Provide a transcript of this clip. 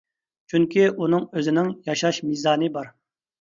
چۈنكى ئۇنىڭ ئۆزىنىڭ ياشاش مىزانى بار.